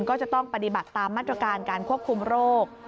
ก็จะต้องปฏิบัติตามมาตรการการควบคุมโรค